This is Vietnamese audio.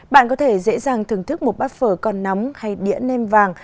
bạn có thể dễ dàng thưởng thức một bát phở còn nóng hay đĩa nem vàng